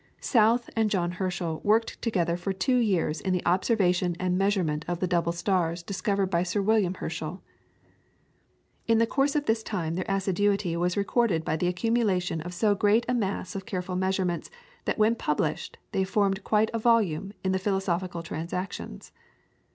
South and John Herschel worked together for two years in the observation and measurement of the double stars discovered by Sir William Herschel. In the course of this time their assiduity was rewarded by the accumulation of so great a mass of careful measurements that when published, they formed quite a volume in the "Philosophical Transactions."